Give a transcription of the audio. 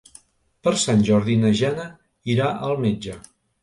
Per Sant Jordi na Jana irà al metge.